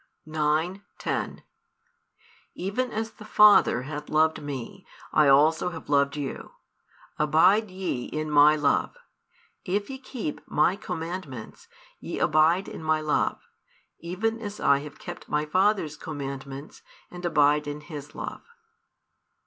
|394 9, 10 Even as the Father hath loved Me, I also have loved you: abide ye in My love. If ye keep My commandments, ye abide in My love; even as I have kept My Father s commandments and abide in His love.